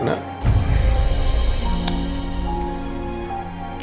papa gak suka nak